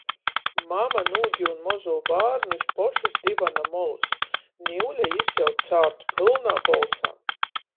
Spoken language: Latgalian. Mama nūgiun mozū bārnu iz pošys divana molys, niule jis jau cārt pylnā bolsā.